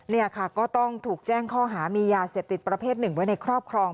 นี่ค่ะก็ต้องถูกแจ้งข้อหามียาเสพติดประเภทหนึ่งไว้ในครอบครอง